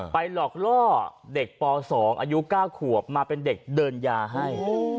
หลอกล่อเด็กป๒อายุ๙ขวบมาเป็นเด็กเดินยาให้